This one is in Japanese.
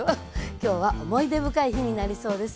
今日は思い出深い日になりそうです。